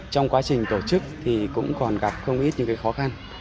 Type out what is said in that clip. trong quá trình tổ chức thì cũng còn gặp không ít những khó khăn